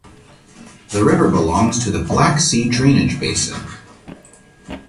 The river belongs to the Black Sea drainage basin.